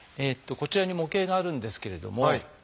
こちらに模型があるんですけれども。